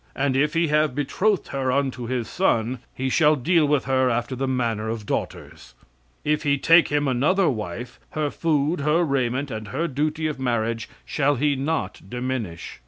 And if he have betrothed her unto his son, he shall deal with her after the manner of daughters. "If he take him another wife, her food, her raiment and her duty of marriage shall he not diminish.